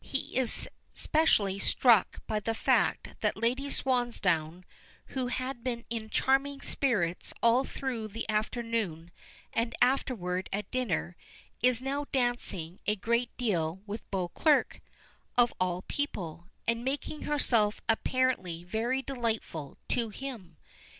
He is specially struck by the fact that Lady Swansdown, who had been in charming spirits all through the afternoon, and afterward at dinner, is now dancing a great deal with Beauclerk, of all people, and making herself apparently very delightful to him.